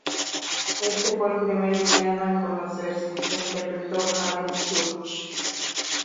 Este fue el primer villano en conocerse, lo interpretó Haden Church.